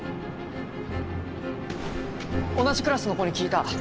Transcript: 同じクラスの子に聞いた。